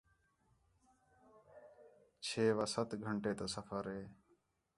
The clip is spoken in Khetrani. چھ وا سَت گھنٹے تا سفر ہے